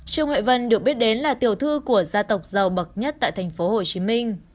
trương huệ vân được biết đến là tiểu thư của gia tộc giàu bậc nhất tại tp hcm